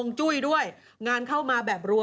พี่ปุ้ยลูกโตแล้ว